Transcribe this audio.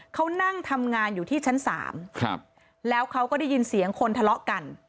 เขานั่งทำงานอยู่ที่ชั้น๓แล้วเขาก็ได้ยินเสียงคนทะเลาะกัน